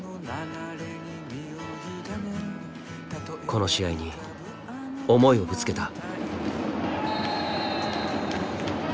この試合に思いをぶつけた。